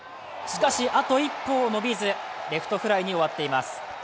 しかし、あと一歩のびずレフトフライに終わっています。